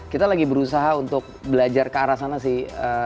kita lagi berusaha untuk belajar ke arah sana sih